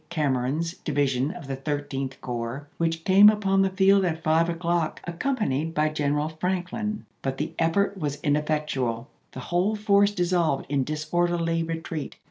Cameron's division of the Thirteenth Corps which came on the field at five o'clock, accompanied by General Frank lin, but the effort was ineffectual. The whole force dissolved in disorderly retreat.